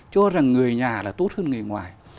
cho rằng người nhà là tốt hơn người ngoài